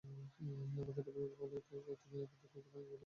আমাদের অভিবাক চলে যেতেই তুমি আমাদের ফকির বানিয়ে ফেলছো।